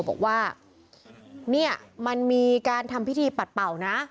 บอกว่าเนี่ยมันมีการทำพิธีปัดเป่านะ